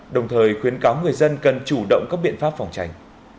đồng thời khuyến cáo người dân cần chủ động các biện pháp phòng tránh